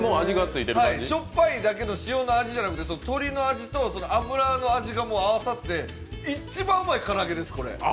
しょっぱいだけじゃなくて鶏の味と油の味が合わさって一番うまいから揚げです。